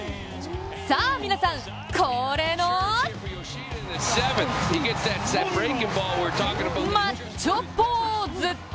さあ皆さん、恒例のマッチョポーズ！